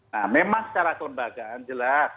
nah memang secara kelembagaan jelas